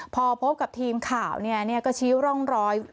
พอพบกับทีมข่าวก็ชี้ร่องรอย